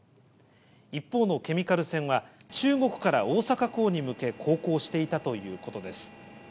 一方のケミカル船は中国から大阪港に向け航行していたということです。